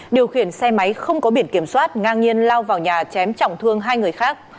điều khiển xe máy không có biển kiểm soát ngang nhiên lao vào nhà chém trọng thương hai người khác